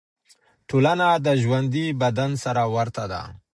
ټولنه د ژوندي بدن سره ورته ده.